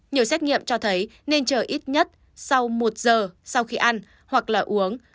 nhiều xét nghiệm cho thấy nên chờ ít nhất sau một giờ sau khi ăn hoặc là uống